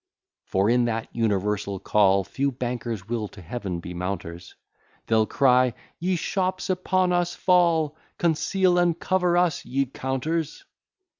For in that universal call, Few bankers will to heaven be mounters; They'll cry, "Ye shops, upon us fall! Conceal and cover us, ye counters!"